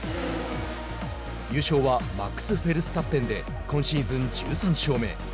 優勝はマックス・フェルスタッペンで今シーズン１３勝目。